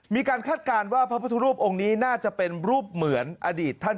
คาดการณ์ว่าพระพุทธรูปองค์นี้น่าจะเป็นรูปเหมือนอดีตท่าน